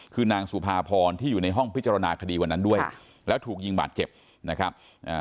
คือนางสุภาพรที่อยู่ในห้องพิจารณาคดีวันนั้นด้วยแล้วถูกยิงบาดเจ็บนะครับอ่า